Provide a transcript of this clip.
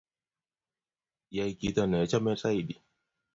Yay kito nechome Saidi